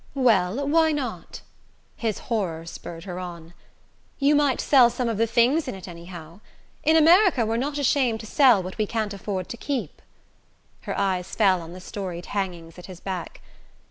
"Well, why not?" His horror spurred her on. "You might sell some of the things in it anyhow. In America we're not ashamed to sell what we can't afford to keep." Her eyes fell on the storied hangings at his back.